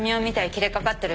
切れかかってる